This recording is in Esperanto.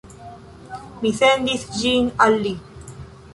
Mi sendis ĝin al li